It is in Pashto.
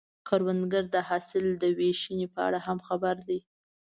کروندګر د حاصل د ویشنې په اړه هم خبر دی